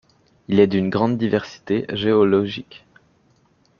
Il est d'une grande diversité géologique.